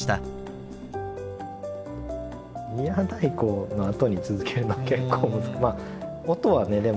「宮太鼓」のあとに続けるのは結構。